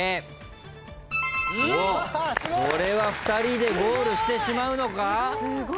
これは２人でゴールしてしまうのか？